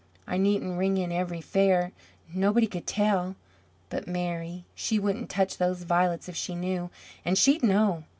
I needn't ring in every fare; nobody could tell. But Mary! She wouldn't touch those violets if she knew. And she'd know.